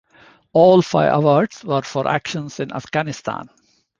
All five awards were for actions in Afghanistan.